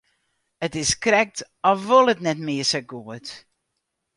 It is krekt as wol it net mear sa goed.